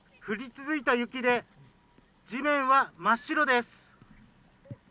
降り続いた雪で、地面は真っ白です。